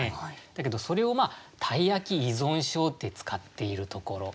だけどそれを「鯛焼依存症」って使っているところ。